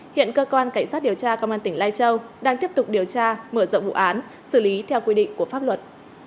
hiện cơ quan cảnh sát điều tra công an tỉnh lai châu đang tiếp tục điều tra mở rộng vụ án xử lý theo quy định của pháp luật